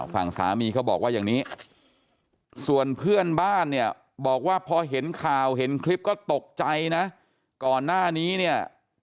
ฝั่งสามีเขาบอกว่าอย่างนี้